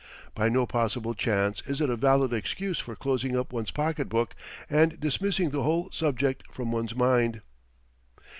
By no possible chance is it a valid excuse for closing up one's pocketbook and dismissing the whole subject from one's mind.